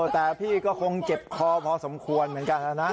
แต่พี่ก็คงเจ็บคอพอสมควรเหมือนกันนะ